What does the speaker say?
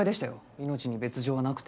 命に別条はなくて。